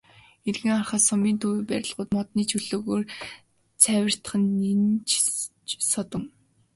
Эргэн харахад сумын төвийн барилгууд модны чөлөөгөөр цайвартах нь нэн ч содон.